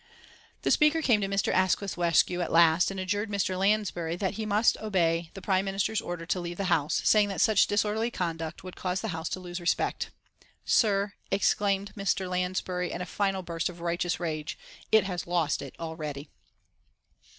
The Speaker came to Mr. Asquith's rescue at last and adjured Mr. Lansbury that he must obey the Prime Minister's order to leave the House, saying that such disorderly conduct would cause the House to lose respect. "Sir," exclaimed Mr. Lansbury, in a final burst of righteous rage, "it has lost it already."